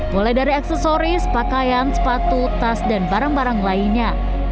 mulai dari aksesoris pakaian sepatu tas dan barang barang lainnya